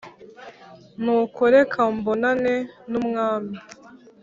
Nuko reka mbonane n’umwami.